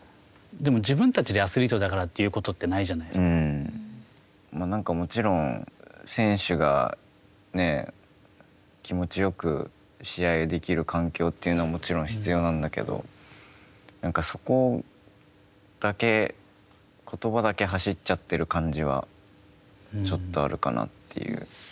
でも、自分たちでアスリートだからということってないじゃないでもちろん選手がね、気持ちよく試合ができる環境というのはもちろん必要なんだけど、そこだけことばだけ走っちゃってる感じはちょっとあるかなっていう。